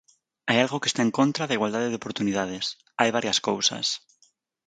Hai algo que está en contra da igualdade de oportunidades, hai varias cousas.